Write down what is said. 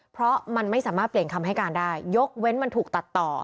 เพราะมันไม่สามารถเปลี่ยนคำให้การได้ยกเว้นมันถูกตัดต่อ